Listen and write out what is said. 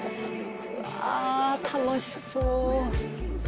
うわあ、楽しそう。